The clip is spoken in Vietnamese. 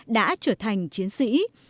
đã trở thành chiến sĩ